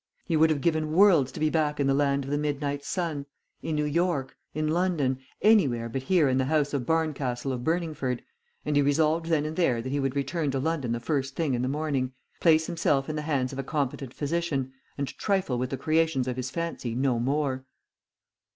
He would have given worlds to be back in the land of the midnight sun, in New York, in London, anywhere but here in the house of Barncastle of Burningford, and he resolved then and there that he would return to London the first thing in the morning, place himself in the hands of a competent physician, and trifle with the creations of his fancy no more.